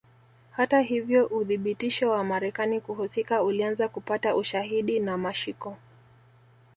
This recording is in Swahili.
Hata hivyo uthibitisho wa Marekani kuhusika ulianza kupata ushahidi na mashiko